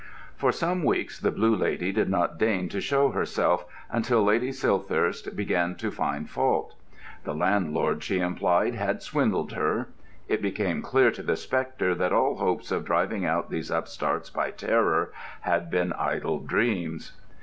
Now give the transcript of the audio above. For some weeks the Blue Lady did not deign to show herself, until Lady Silthirsk began to find fault. The landlord, she implied, had swindled her. It became clear to the spectre that all hopes of driving out these upstarts by terror had been idle dreams.